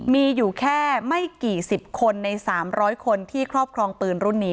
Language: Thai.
มีอยู่แค่ไม่กี่สิบคนใน๓๐๐คนที่ครอบครองปืนรุ่นนี้